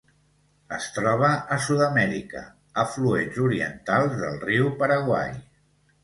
Es troba a Sud-amèrica: afluents orientals del riu Paraguai.